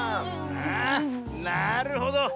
あなるほど。